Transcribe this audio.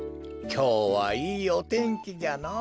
きょうはいいおてんきじゃのぉ。